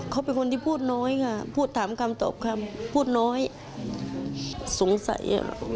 เขาเป็นคนที่พูดน้อยค่ะพูดถามคำตอบคำพูดน้อยสงสัย